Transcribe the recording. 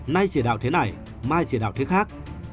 nay trì đạo thế này mai trì đạo thế khác